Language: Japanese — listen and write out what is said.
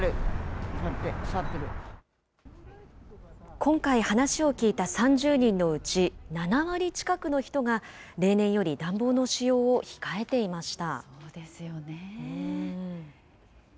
今回、話を聞いた３０人のうち、７割近くの人が、例年より暖房の使用を控えていました。